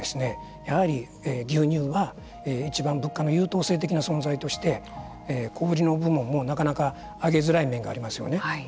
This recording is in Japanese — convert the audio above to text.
やはり牛乳はいちばん物価の優等生的な存在として小売りの部門も、なかなか上げづらい面がありますよね。